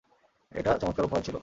এটা চমৎকার উপহার ছিল।